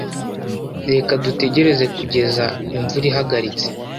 Reka dutegereze kugeza imvura ihagaritse.